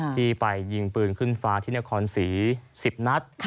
ที่ไปยิงปืนขึ้นฟ้าที่นครศรี๑๐นัด